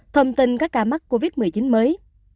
thông tin các ca mắc covid một mươi chín mới